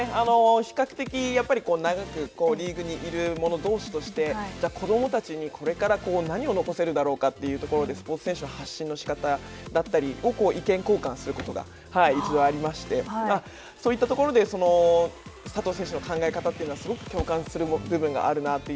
比較的、長くリーグにいるものどうしとして子どもたちにこれから何を残せるだろうかというところでスポーツ選手の発信の仕方だったりを意見交換することが一度ありましてそういったところで、佐藤選手の考え方というのはすごく共感する部分があるなとい